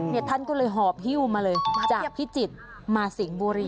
ท่านก็เลยหอบฮิ้วมาเลยจากพิจิตรมาสิงห์บุรี